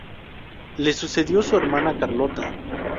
Le sucedió su hermana Carlota.